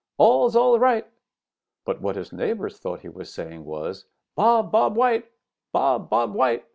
All all's right!' But what his neighbors thought he said was, 'Bob Bob White! Bob Bob White!'